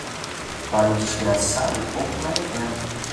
Para o desgraçado, pouco vale a pena.